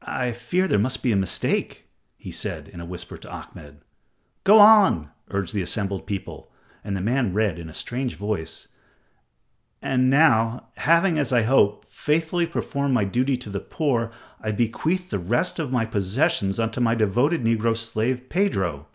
"I fear there must be a mistake," he said, in a whisper to Ahmed. "Go on," urged the assembled people, and the man read in a strange voice: "And now, having as I hope, faithfully performed my duty to the poor, I bequeath the rest of my possessions unto my devoted negro slave, Pedro."